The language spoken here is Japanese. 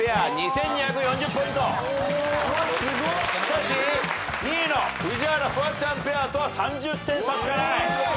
しかし２位の宇治原・フワちゃんペアとは３０点差しかない。